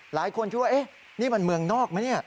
หลายคนคิดว่านี่มันเมืองนอกไหมเนี่ย